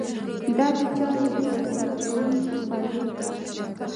دا د چارو د ترسره کوونکو فعالیت ټاکي.